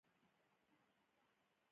راز او نیاز د نیمې شپې خوند کوي.